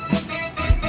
kenapa tidak bisa